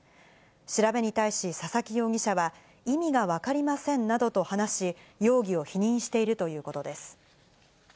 調べに対し佐々木容疑者は、意味が分かりませんなどと話し、容疑を否認しているということです。